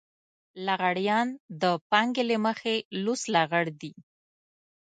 لغړيان د پانګې له مخې لوڅ لغړ دي.